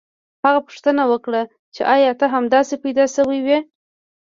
هغه پوښتنه وکړه چې ایا ته همداسې پیدا شوی وې